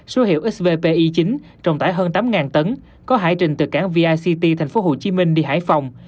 số hiệu xvp i chín trồng tải hơn tám tấn có hải trình từ cảng vict thành phố hồ chí minh đi hải phòng